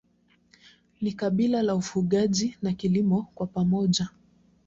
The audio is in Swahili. Ni kabila la ufugaji na kilimo kwa pamoja.